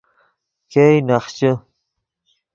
ګئے نخچے